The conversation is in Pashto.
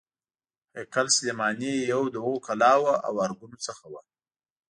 هیکل سلیماني یو له هغو کلاوو او ارګونو څخه و.